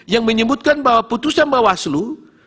yang menyebutkan bahwa putusan bawaslu